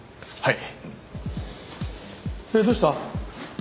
はい！